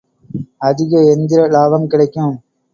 அதிக எந்திர இலாபம் கிடைக்கும்.